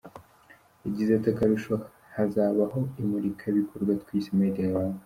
Yagize ati “Akarusho hazabaho imurikabikorwa twise ‘Made in Rwanda’.